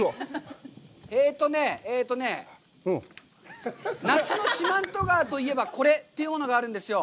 えっとね、夏の四万十川といえばコレというものがあるんですよ。